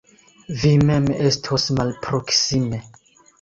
Vi mem estos malproksime.